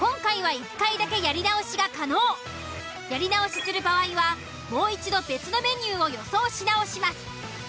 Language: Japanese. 今回はやり直しする場合はもう一度別のメニューを予想し直します。